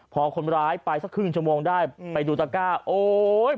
พอคนร้ายไปสักครึ่งชั่วโมงได้ไปดูตะก้าโอ๊ย